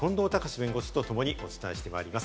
弁護士とともにお伝えしていきます。